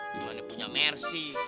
dimana punya mersi